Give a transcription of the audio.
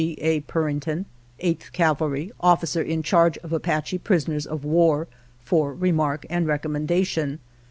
G. A. Puring tion, 8th Cavalry, Officer in Charge of Apache pris oners of war, for remark and recommendation.